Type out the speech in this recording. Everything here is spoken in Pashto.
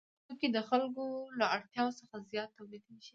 توکي د خلکو له اړتیاوو څخه زیات تولیدېږي